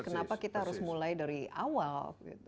kenapa kita harus mulai dari awal